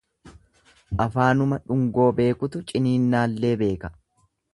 Afaanuma dhungoo beekutu ciniinnaallee beeka.